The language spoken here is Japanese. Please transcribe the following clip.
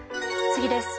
次です。